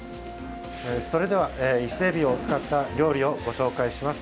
それでは、伊勢えびを使った料理をご紹介します。